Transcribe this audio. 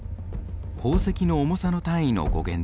宝石の重さの単位の語源です。